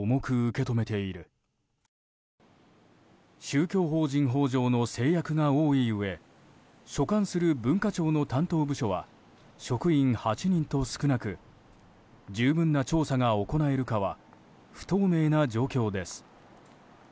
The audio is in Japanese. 宗教法人法上の制約が多いうえ所管する文化庁の担当部署は職員８人と少なく十分な調査が行えるかは不透明な状況です。